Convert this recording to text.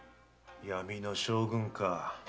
闇の将軍か。